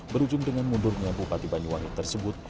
berujung dengan mundurnya bupati banyuwangi tersebut